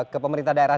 ke pemerintah daerah